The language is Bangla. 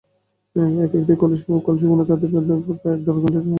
একেকটি কলসি পূর্ণ করতে তাঁদের গড়ে দেড় ঘণ্টা সময় ব্যয় হয়।